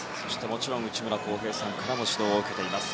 もちろん内村航平さんからも指導を受けています。